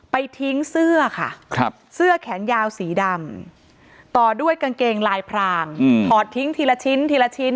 ไปทิ้งเสื้อค่ะเสื้อแขนยาวสีดำต่อด้วยกางเกงลายพรางถอดทิ้งทีละชิ้นทีละชิ้น